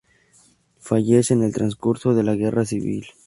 Fallece en el transcurso de la guerra civil.